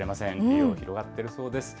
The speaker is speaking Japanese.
利用広がっているそうです。